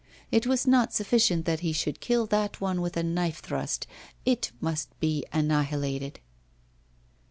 It was not sufficient that he should kill that one with a knife thrust, it must be annihilated.